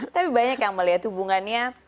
tapi banyak yang melihat hubungannya